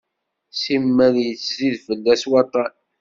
Simmal yettzid fell-as waṭṭan.